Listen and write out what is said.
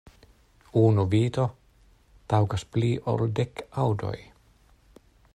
Unu vido taŭgas pli ol dek aŭdoj.